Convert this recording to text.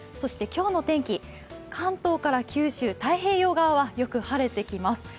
今日の天気、関東から九州、太平洋側はよく晴れてきます。